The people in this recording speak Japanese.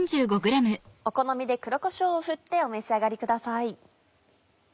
お好みで黒こしょうを振ってお召し上がりください。